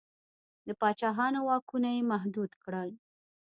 د پاچاهانو واکونه یې محدود کړل.